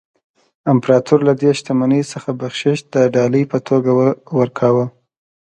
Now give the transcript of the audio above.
امپراتور له دې شتمنۍ څخه بخشش د ډالۍ په توګه ورکاوه.